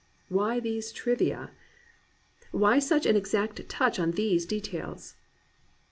Why these trivia ? Why such an exact touch on these details